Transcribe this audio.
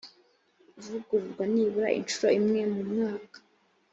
ivugururwa nibura inshuro imwe mu mwaka